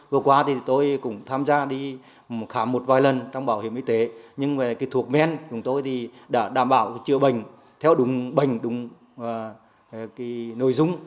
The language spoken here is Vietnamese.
vừa qua thì tôi cũng tham gia đi khám một vài lần trong bảo hiểm y tế nhưng về thuốc men chúng tôi thì đã đảm bảo chữa bệnh theo đúng bệnh đúng nội dung